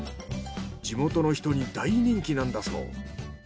地元の人に大人気なんだそう。